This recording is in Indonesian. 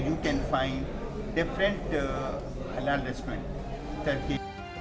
jadi kamu bisa menemukan restoran halal yang berbeda di turki